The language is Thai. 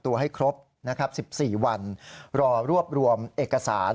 ๑๔วันรอรวบรวมเอกสาร